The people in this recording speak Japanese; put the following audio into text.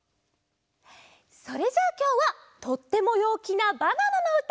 それじゃあきょうはとってもようきなバナナのうた！